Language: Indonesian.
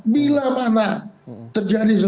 bila mana terjadi sesuatu